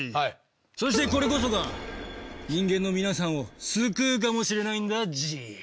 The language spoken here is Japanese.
そしてこれこそが人間の皆さんを救うかもしれないんだＧ。